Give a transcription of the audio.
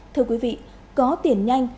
thưa quý vị có tiền nhanh